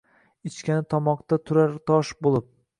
Ichgani tomoqda turar tosh bo’lib.